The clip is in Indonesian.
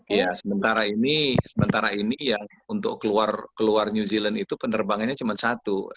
iya sementara ini untuk keluar new zealand itu penerbangannya cuma satu